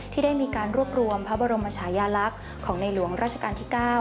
ที่ได้มีการรวบรวมพระบรมชายาลักษณ์ของในหลวงราชการที่๙